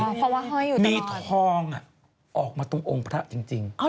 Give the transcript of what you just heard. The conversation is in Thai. เพราะว่าห้อยอยู่มีทองออกมาตรงองค์พระจริง